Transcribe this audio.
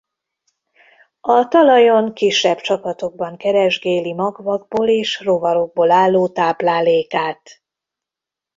A talajon kisebb csapatokban keresgéli magvakból és rovarokból álló táplálékát.